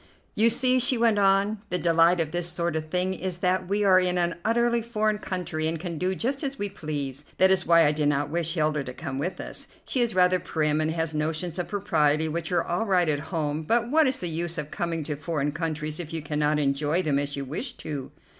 "You see," she went on, "the delight of this sort of thing is that we are in an utterly foreign country and can do just as we please. That is why I did not wish Hilda to come with us. She is rather prim and has notions of propriety which are all right at home, but what is the use of coming to foreign countries if you cannot enjoy them as you wish to?"